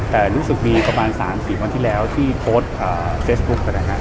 แต่รู้สึกมีประมาณ๓๐วันที่แล้วที่โพสเซ็ตบลุชิ์เลยนะครับ